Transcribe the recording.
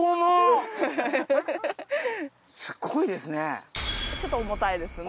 すごいですね。